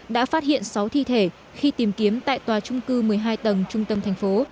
đã phát hiện sáu thi thể khi tìm kiếm tại tòa trung cư một mươi hai tầng trung tâm thành phố